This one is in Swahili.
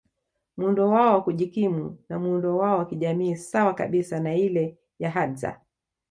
Muundo wao wakujikimu na muundo wao wakijamii sawa kabisa na ile ya Hadza